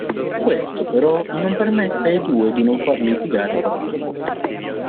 Questo però, non permette ai due di non farli litigare qualche volta.